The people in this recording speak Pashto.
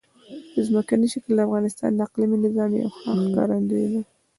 ځمکنی شکل د افغانستان د اقلیمي نظام یوه ښه ښکارندوی ده.